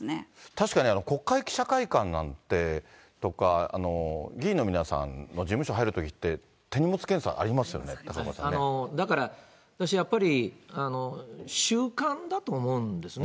確かに、国会記者会館なんて、議員の皆さんの事務所に入るときって、手荷だから、私やっぱり、習慣だと思うんですね。